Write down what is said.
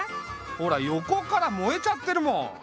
ほら横から燃えちゃってるもん。